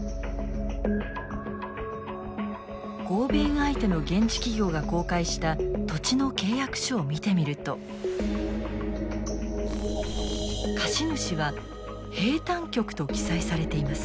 合弁相手の現地企業が公開した土地の契約書を見てみると貸主は「兵站局」と記載されています。